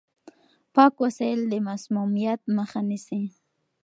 پاک وسايل د مسموميت مخه نيسي.